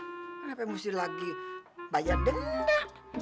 kenapa mesti lagi bayar dendah